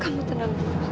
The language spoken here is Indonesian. kamu tenang dulu maksud